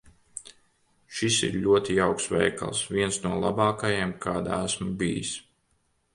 Šis ir ļoti jauks veikals. Viens no labākajiem, kādā esmu bijis.